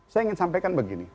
saya ingin sampaikan begini